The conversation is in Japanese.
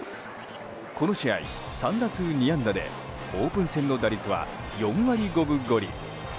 この試合３打数２安打でオープン戦の打率は４割５分５厘。